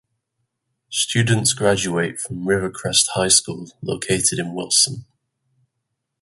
Students graduate from Rivercrest High School located in Wilson.